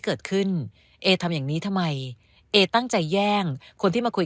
เกิดขึ้นเอทำอย่างนี้ทำไมเอตั้งใจแย่งคนที่มาคุย